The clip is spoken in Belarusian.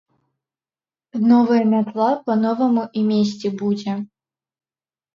Новая мятла па-новаму і месці будзе.